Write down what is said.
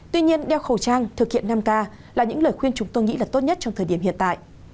tuy nhiên đeo khẩu trang thực hiện năm k là những lời khuyên chúng tôi nghĩ là tốt nhất trong thời điểm hiện tại